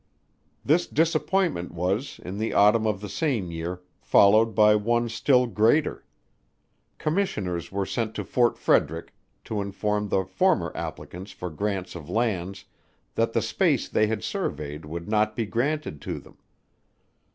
This disappointment was, in the autumn of the same year, followed by one still greater. Commissioners were sent to Fort Frederick, to inform the former applicants for grants of lands, that the space they had surveyed would not be granted to them.